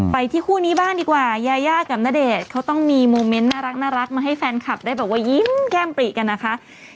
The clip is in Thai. ไปที่คู่นี้บ้างดีกว่ายายากับณเดชน์เขาต้องมีโมเมนต์น่ารักมาให้แฟนคลับได้แบบว่ายิ้มแก้มปรีกันนะคะ